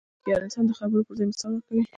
هوښیار انسان د خبرو پر ځای مثال ورکوي.